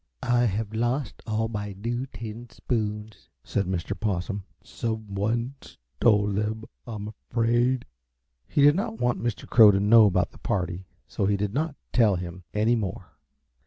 "I have lost all my new tin spoons," said Mr. Possum. "Some one stole them, I am afraid." He did not want Mr. Crow to know about the party, so he did not tell him any more.